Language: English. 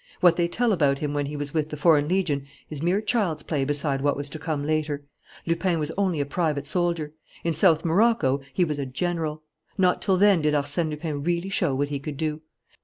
What they tell about him when he was with the Foreign Legion is mere child's play beside what was to come later. Lupin was only a private soldier. In South Morocco he was a general. Not till then did Arsène Lupin really show what he could do.